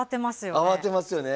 慌てますよね。